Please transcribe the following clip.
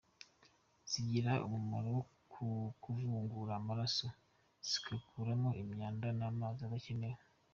zigira umumaro wo kuyungura amaraso zigakuramo imyanda n’amazi adakenewe